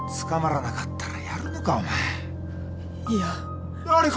捕まらなかったらやるのかお前。